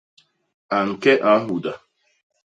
A ñke a nhuda.